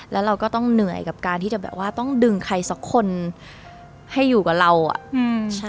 แล้วเราก็ต้องเหนื่อยกับการที่จะแบบว่าต้องดึงใครสักคนให้อยู่กับเราอ่ะอืมใช่